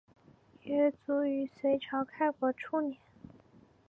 约卒于隋朝开国初年。